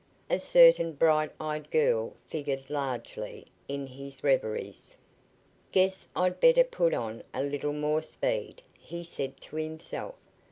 A certain bright eyed girl figured largely in his reveries. "Guess I'd better put on a little more speed," he said to himself.